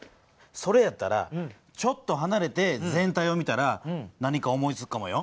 それやったらちょっとはなれて全体を見たら何か思いつくかもよ。